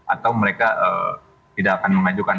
atau mereka tidak akan mengajukan